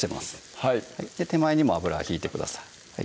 はい手前にも油は引いてください